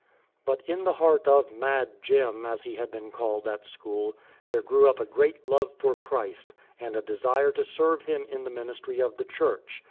But in the heart of " Mad Jim," as he had been called at school, there grew up a great love for Christ, and a desire to serve Him in the ministry of the Church.